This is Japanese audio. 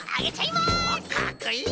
かっこいい！